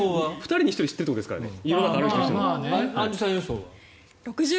２人に１人知ってるってことですからね。